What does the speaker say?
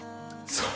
そう